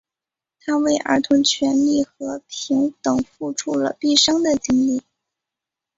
他为儿童权利和平等付出了毕生的精力。